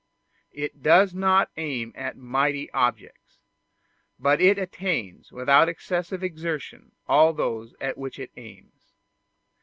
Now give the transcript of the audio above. It does not aim at mighty objects, but it attains without excessive exertion all those at which it aims.